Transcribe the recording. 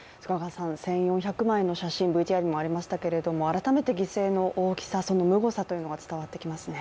１４００枚の写真、ＶＴＲにもありましたけど改めて犠牲の大きさ、そのむごさが伝わってきますね。